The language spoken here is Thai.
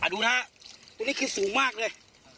ดูนะฮะตรงนี้คือสูงมากเลย